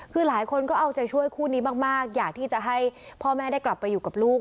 คือหลายคนก็เอาใจช่วยคู่นี้มากอยากที่จะให้พ่อแม่ได้กลับไปอยู่กับลูก